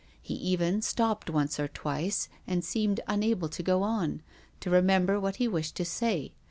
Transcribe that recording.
He even stopped once or twice, and seemed unable to go on, to remember what he wished to say.